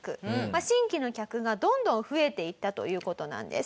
新規の客がどんどん増えていったという事なんです。